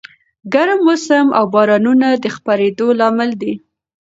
ګرم موسم او بارانونه د خپرېدو لامل دي.